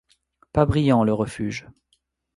Pas brillant, le refuge.